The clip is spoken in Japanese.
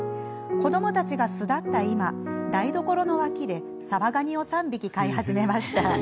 子どもたちが巣立った今台所の脇で沢ガニを３匹飼い始めました。